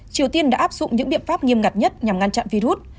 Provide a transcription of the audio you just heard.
triều tiên đã áp dụng những biện pháp nghiêm ngặt nhất nhằm ngăn chặn virus